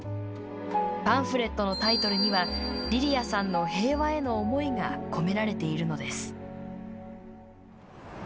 パンフレットのタイトルにはリリアさんの平和への思いが込められているのです。